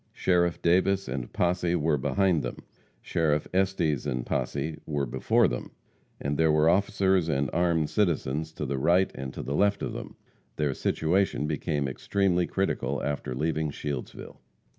Sheriff Davis and posse were behind them; Sheriff Estes and posse were before them, and there were officers and armed citizens to the right and to the left of them. Their situation became extremely critical after leaving Shieldsville.